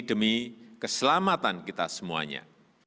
demi keselamatan kita semuanya